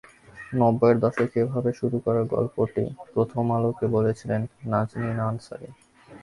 নব্বইয়ের দশকে এভাবেই শুরু করার গল্পটি প্রথম আলোকে বলছিলেন নাজনীন আনসারী।